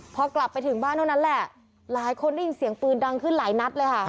พอกลับไปถึงบ้านเท่านั้นแหละหลายคนได้ยินเสียงปืนดังขึ้นหลายนัดเลยค่ะ